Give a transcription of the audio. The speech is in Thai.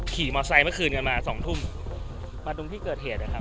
ขี่มอไซค์เมื่อคืนกันมาสองทุ่มมาตรงที่เกิดเหตุนะครับ